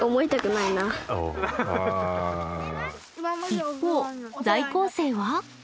一方在校生は？